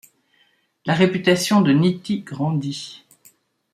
La réputation de Nitti grandit.